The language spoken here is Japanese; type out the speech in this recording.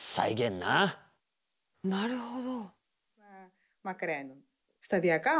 なるほど。